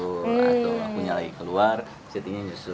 atau akunya lagi keluar zeti nya nyusul